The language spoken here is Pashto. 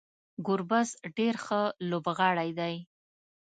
ګربز ډیر ښه لوبغاړی دی